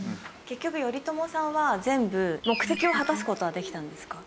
結局頼朝さんは全部目的を果たす事はできたんですか？